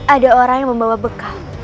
ada orang yang membawa bekal